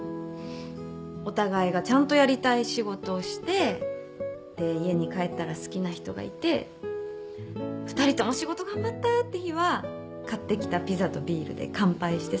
お互いがちゃんとやりたい仕事をしてで家に帰ったら好きな人がいて２人とも仕事頑張ったって日は買ってきたピザとビールで乾杯してさ。